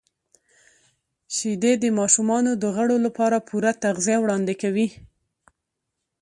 •شیدې د ماشومانو د غړو لپاره پوره تغذیه وړاندې کوي.